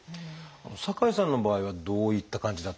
酒井さんの場合はどういった感じだったんでしょう？